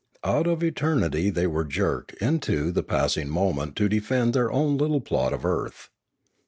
Out of eternity they were jerked into the passing moment to defend their own little plot of earth.